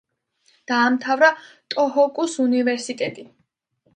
დაამთავრა ტოჰოკუს უნივერსიტეტი.